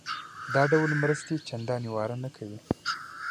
دا ډول مرستې چندانې واره نه کوي.